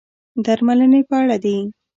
درملنې په اړه دي.